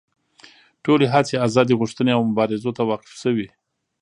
ټولې هڅې ازادي غوښتنې او مبارزو ته وقف شوې.